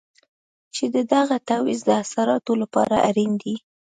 چې د دغه تعویض د اثراتو لپاره اړین دی.